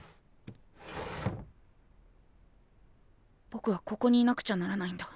ぼくはここにいなくちゃならないんだ。